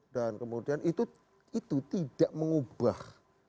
dan kemudian itu tidak mengubah